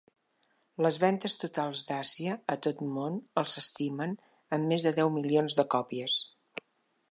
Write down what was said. Les ventes totals "d'Àsia" a tot món el s'estimen en més de deu milions de còpies.